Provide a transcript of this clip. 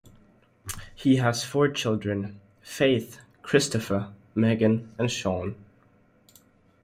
He has four children, Faith, Christopher, Megan, and Sean.